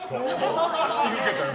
引き受けたよ。